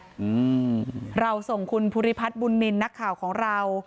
อืมเราส่งคุณภูริพัฒน์บุญนินทร์นักข่าวของเรา